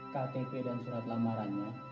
ktp dan surat lamarannya